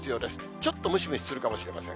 ちょっとムシムシするかもしれません。